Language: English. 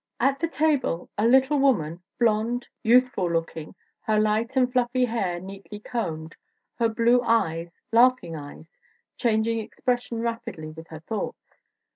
At the table a little woman, blonde, youthful look ing, her light and fluffy hair neatly combed, her blue eyes "laughing eyes" changing expression rapidly with her thoughts.